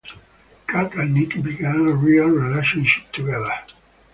Kat and Nick begin a real relationship together.